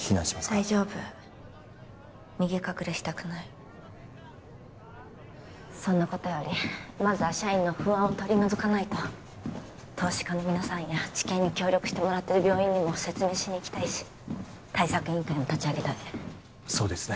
大丈夫逃げ隠れしたくないそんなことよりまずは社員の不安を取り除かないと投資家の皆さんや治験に協力してもらってる病院にも説明しに行きたいし対策委員会も立ち上げたいそうですね